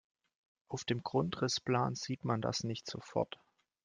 Auf dem Grundrissplan sieht man das nicht sofort.